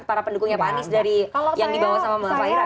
para pendukungnya pak anies yang dibawa sama pak ira kan